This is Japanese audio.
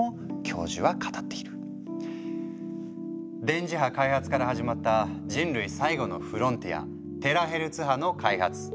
電磁波開発から始まった人類最後のフロンティア「テラヘルツ波」の開発。